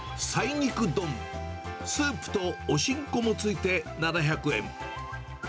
菜肉丼、スープとおしんこうも付いて７００円。